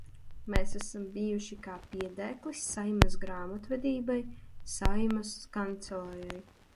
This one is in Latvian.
Mēs esam bijuši kā piedēklis Saeimas grāmatvedībai, Saeimas Kancelejai.